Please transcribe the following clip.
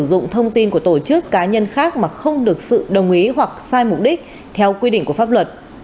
công an đã đặt thông tin của tổ chức cá nhân khác mà không được sự đồng ý hoặc sai mục đích theo quy định của pháp luật